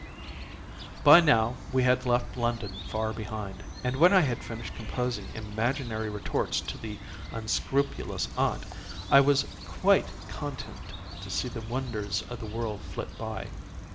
By now we had left London far behind, and when I had finished composing imaginary retorts to the unscrupulous aunt I was quite content to see the wonders of the world flit by.